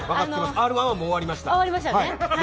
Ｒ−１は、もう終わりました。